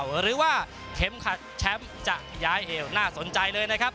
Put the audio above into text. หรือว่าเข็มขัดแชมป์จะย้ายเอวน่าสนใจเลยนะครับ